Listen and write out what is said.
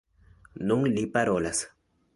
Nun li parolas.